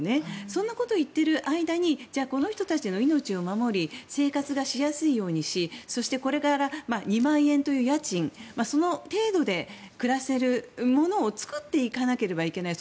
そんなことを言っている間にこの人たちの命を守り生活がしやすいようにしそしてこれから２万円という家賃その程度で暮らせるものを作っていかなければいけない。